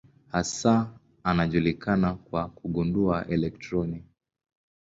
Hasa anajulikana kwa kugundua elektroni.